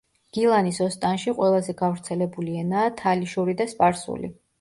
გილანის ოსტანში ყველაზე გავრცელებული ენაა თალიშური და სპარსული.